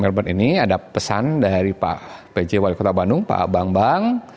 melbourne ini ada pesan dari pak pj wali kota bandung pak bang bang